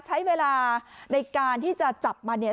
ใช้เวลาในการที่จะจับมันเนี่ย